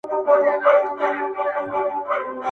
دوه غوايي يې ورته وچیچل په لار کي-